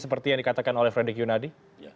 seperti yang dikatakan oleh frederick yunadi